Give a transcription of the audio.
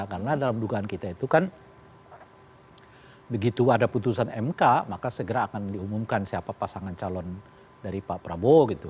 karena dalam dugaan kita itu kan begitu ada putusan mk maka segera akan diumumkan siapa pasangan calon dari pak prabowo gitu